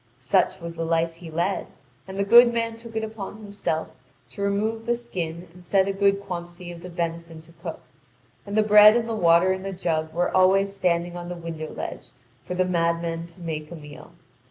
Such was the life he led; and the good man took it upon himself to remove the skin and set a good quantity of the venison to cook; and the bread and the water in the jug was always standing on the window ledge for the madman to make a meal.